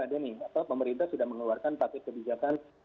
jadi kita sudah ada pemerintah sudah mengeluarkan paket kebijakan